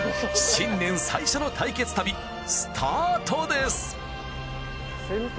新年最初の対決旅スタートです。